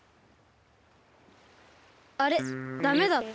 あれダメだった？